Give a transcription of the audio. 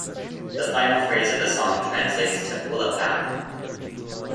The final phrase of the song translates to "pull it back".